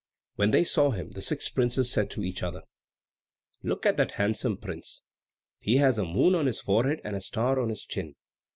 When they saw him the six princes said to each other, "Look at that handsome prince. He has a moon on his forehead and a star on his chin.